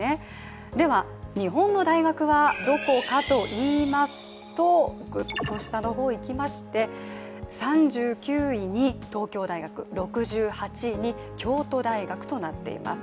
では日本の大学はどこかといいますとずっと下の方へいきまして３９位に東京大学、６８位に京都大学となっています。